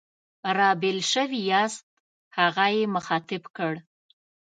را بېل شوي یاست؟ هغه یې مخاطب کړ.